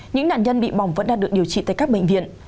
những nạn nhân bị bỏng vẫn đang được điều trị tại các bệnh viện